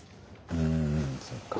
うんそっか。